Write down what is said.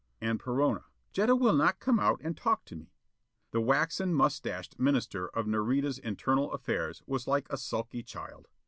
And Perona: "Jetta will not come out and talk to me." The waxen mustached Minister of Nareda's Internal Affairs was like a sulky child.